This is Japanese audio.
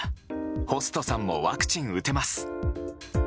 ホストさんもワクチン打てます。